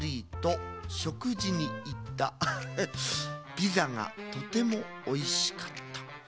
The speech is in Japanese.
ピザがとてもおいしかった」。